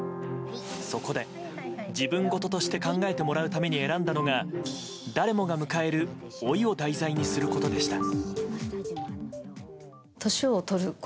そこで、自分事として考えてもらうために選んだのが誰もが迎える老いを題材にすることでした。